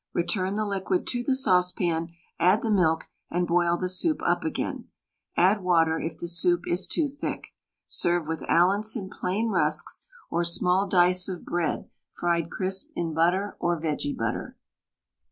Return the liquid to the saucepan, add the milk, and boil the soup up again. Add water if the soup is too thick. Serve with Allinson plain rusks, or small dice of bread fried crisp in butter or vege butter.